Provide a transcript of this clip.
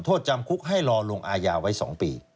โทษจำคุกให้รอลงอายาไว้๒ปี